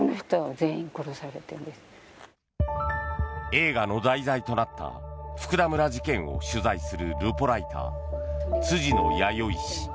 映画の題材となった福田村事件を取材するルポライター、辻野弥生氏。